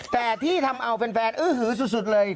แต่ที่ทำเอาแฟนอื้อหือสุดเลย